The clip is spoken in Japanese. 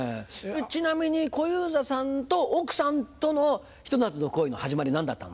ちなみに小遊三さんと奥さんとのひと夏の恋の始まり何だったんですか？